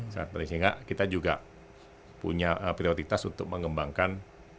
sehingga kita juga punya prioritas untuk mengembangkan